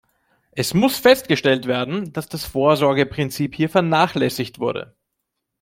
Es muss festgestellt werden, dass das Vorsorgeprinzip hier vernachlässigt wurde.